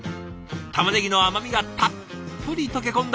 たまねぎの甘みがたっぷり溶け込んだ